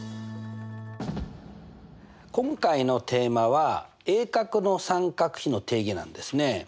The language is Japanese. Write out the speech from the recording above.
今回のテーマは「鋭角の三角比の定義」なんですね。